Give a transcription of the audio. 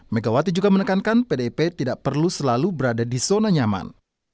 megawati juga menekankan pdip tidak perlu selalu berada di zona nyaman